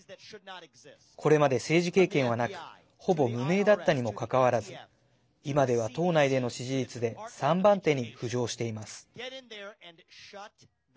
これまで政治経験はなくほぼ無名だったにもかかわらず今では党内での支持率で３番手に浮上しています。